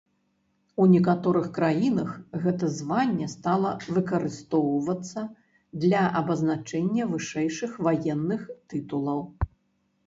У некаторых краінах гэта званне стала выкарыстоўвацца для абазначэння вышэйшых ваенных тытулаў.